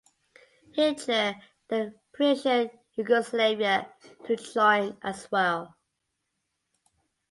Hitler then pressured Yugoslavia to join as well.